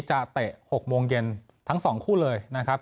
เตะ๖โมงเย็นทั้ง๒คู่เลยนะครับ